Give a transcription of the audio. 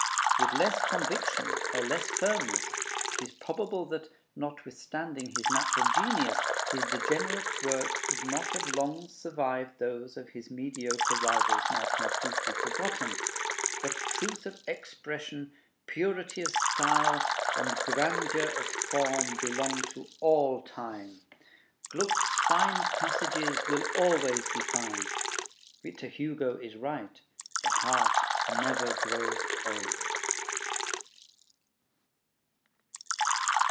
With less conviction or less firmness, it is probable that, notwithstanding his natural genius, his degenerate works would not have long survived those of his mediocre rivals now completely forgotten. But truth of expression, purity of style, and grandeur of form belong to all time. Gluck's fine passages will always be fine. Victor Hugo is right: the heart never grows old.